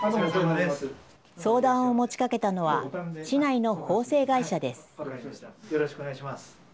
相談を持ちかけたのは、市内の縫製会社です。